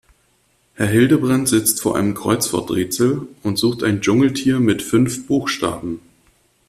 Herr Hildebrand sitzt vor einem Kreuzworträtsel und sucht ein Dschungeltier mit fünf Buchstaben.